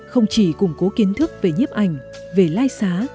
không chỉ củng cố kiến thức về nhiếp ảnh về lai xá